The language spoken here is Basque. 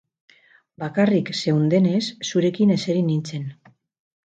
Bakarrik zeundenez, zurekin eseri nintzen.